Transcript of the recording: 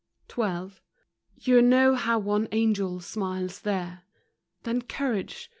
XII. You know how one angel smiles there. Then courage.